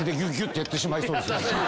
やってしまいそうですよね。